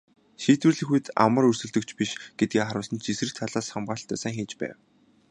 Шийдвэрлэх үед амар өрсөлдөгч биш гэдгээ харуулсан ч эсрэг талаас хамгаалалтаа сайн хийж байв.